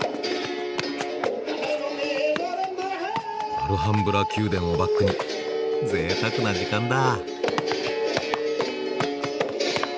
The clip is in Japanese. アルハンブラ宮殿をバックにぜいたくな時間だ。